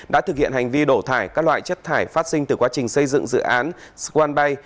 đã thực hiện hành vi đổ thải các loại chất thải phát sinh từ quá trình xây dựng dự án swan bay